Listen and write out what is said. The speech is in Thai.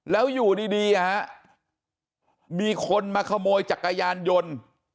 แล้วอยู่ดีมีคนมาขโมยจักรยานยนต์